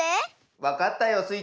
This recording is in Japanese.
わかったよスイ